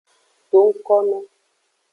Do ngkono.